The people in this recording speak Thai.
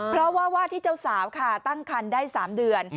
เพราะว่าว่าที่เจ้าสาวค่ะตั้งคันได้๓เดือน